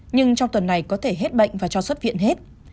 nhưng trong tuần này có thể hết bệnh và cho xuất viện hết